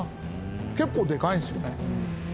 結構でかいんですよね。